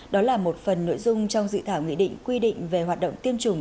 đó là một phần nội dung trong dự thảo nghị định quy định về hoạt động tiêm chủng